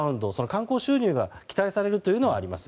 観光収入が期待されるというのはあります。